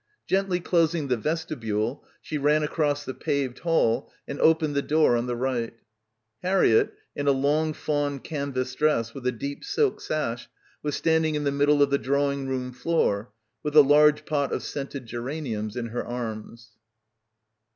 Gently closing the vestibule she ran across the paved hall and opened the door on the right. Harriett, in a long fawn canvas dress with a — 29 — PILGRIMAGE deep silk sash, was standing in the middle of the drawing room floor with a large pot of scented geraniums in her arms.